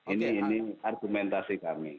ini ini argumentasi kami